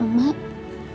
dede berdoa sama emak